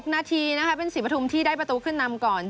นาทีนะคะเป็นศรีปฐุมที่ได้ประตูขึ้นนำก่อน